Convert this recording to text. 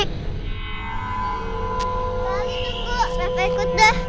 tunggu rafa ikut dah